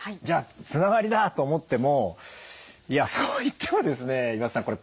じゃあつながりだ！と思ってもいやそう言ってもですね岩田さん